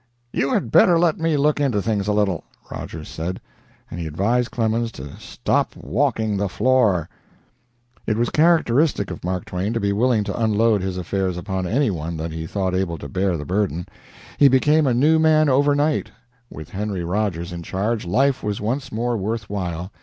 "You had better let me look into things a little," Rogers said, and he advised Clemens to "stop walking the floor." It was characteristic of Mark Twain to be willing to unload his affairs upon any one that he thought able to bear the burden. He became a new man overnight. With Henry Rogers in charge, life was once more worth while.